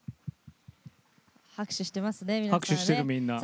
拍手してますね、皆さんね。